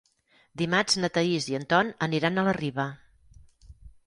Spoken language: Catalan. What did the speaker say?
Dimarts na Thaís i en Ton aniran a la Riba.